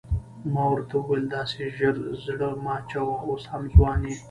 ما ورته وویل داسې ژر زړه مه اچوه اوس هم ځوان یې.